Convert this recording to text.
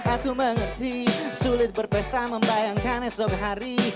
aku mengerti sulit berpesta membayangkan esok hari